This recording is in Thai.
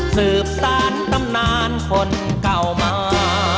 สืบสารตำนานคนเก่ามา